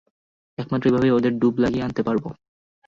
একমাত্র এভাবেই ওদের ডুব লাগিয়ে আনতে পারবো।